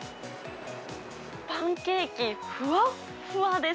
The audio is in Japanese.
パンケーキ、ふわっふわです。